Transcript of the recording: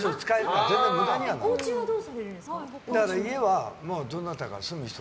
おうちはどうするんですか？